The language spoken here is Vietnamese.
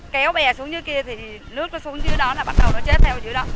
kéo bè xuống dưới kia thì nước nó xuống dưới đó là bắt đầu nó chết theo dưới đó